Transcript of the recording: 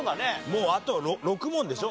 もうあと６問でしょ？